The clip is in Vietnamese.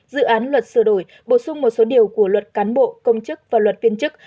dự án luật sửa đổi bổ sung một số điều của luật cán bộ công chức và luật viên chức